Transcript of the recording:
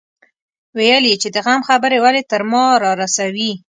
ويل يې چې د غم خبرې ولې تر ما رارسوي.